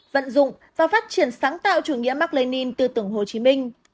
vận dụng và phát triển sáng tạo chủ nghĩa mạc lê ninh từ tưởng hồ chí minh